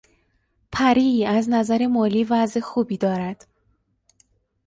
پری از نظر مالی وضع خوبی دارد.